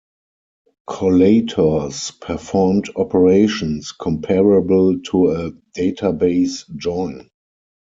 Collators performed operations comparable to a database join.